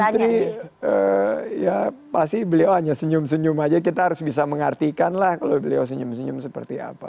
putri ya pasti beliau hanya senyum senyum aja kita harus bisa mengartikan lah kalau beliau senyum senyum seperti apa